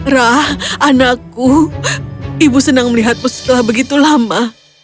rah anakku ibu senang melihatmu setelah begitu lama